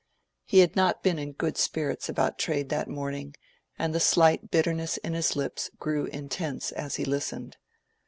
He had not been in good spirits about trade that morning, and the slight bitterness in his lips grew intense as he listened.